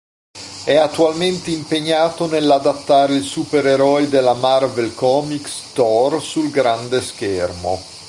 È attualmente impegnato nell'adattare il supereroe della Marvel Comics "Thor" sul grande schermo.